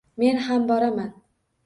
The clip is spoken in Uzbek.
Men ham boraman.